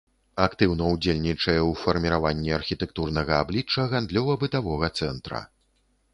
Актыўна ўдзельнічае ў фарміраванні архітэктурнага аблічча гандлёва-бытавога цэнтра.